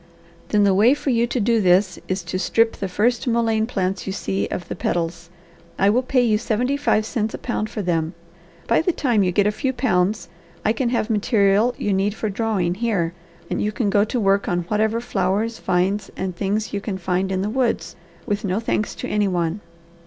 "Then the way for you to do this is to strip the first mullein plants you see of the petals. I will pay you seventy five cents a pound for them. By the time you get a few pounds I can have material you need for drawing here and you can go to work on whatever flowers, vines, and things you can find in the woods, with no thanks to any one."